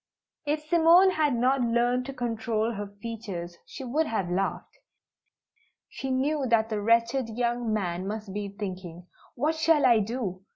If Simone had not learned to control her features she would have laughed. She knew that the wretched young man must be thinking, "What shall I do?